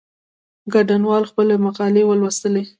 ګډونوالو خپلي مقالې ولوستې.